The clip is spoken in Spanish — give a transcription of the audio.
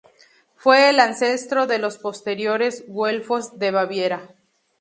Fue el ancestro de los posteriores Güelfos de Baviera.